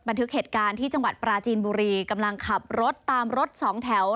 บันทึกเหตุการณ์ที่จังหวัดปราจีนบุรีกำลังขับรถตามรถสองแถว